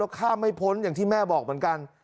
ข้ามไม่พ้นอย่างที่แม่บอกเหมือนกัน